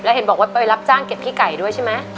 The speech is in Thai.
เห็นบอกว่าไปรับจ้างเก็บขี้ไก่ด้วยใช่ไหม